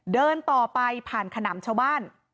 เดินต่อไปผ่านขนำชาวบ้าน